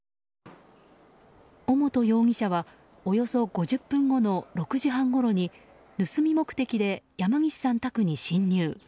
尾本容疑者はおよそ５０分後の６時半ごろに盗み目的で山岸さん宅に侵入。